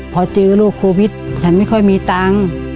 พอเจอลูกโควิดฉันไม่ค่อยมีตังค์